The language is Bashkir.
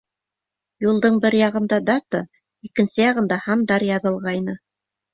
Юлдың бер яғында дата, икенсе яғында һандар яҙылғайны.